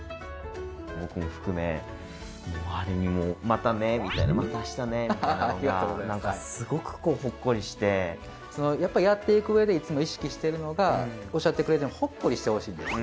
僕も含めあれにもう「またね」みたいな「また明日ね」みたいなのが何かすごくこうほっこりしてやっぱやっていく上でいつも意識してるのがおっしゃってくれたようにほっこりしてほしいんですね